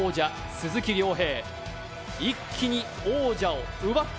鈴木亮平